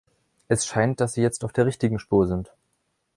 Es scheint, dass Sie jetzt auf der richtigen Spur sind.